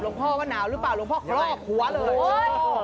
หลวงพ่อก็นาวหรือเปล่าหลวงพ่อฟล่อไหว้หัวเลย